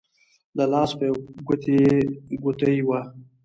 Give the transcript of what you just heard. د لاس په يوه ګوته يې ګوتې وه